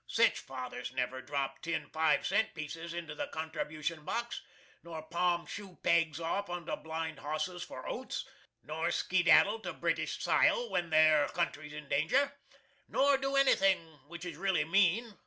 Sich fathers never drop tin five cent pieces into the contribution box, nor palm shoe pegs off onto blind hosses for oats, nor skedaddle to British sile when their country's in danger nor do anything which is really mean.